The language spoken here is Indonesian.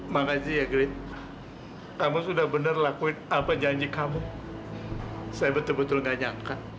makasih ya green kamu sudah benar lakuin apa janji kamu saya betul betul gak nyangka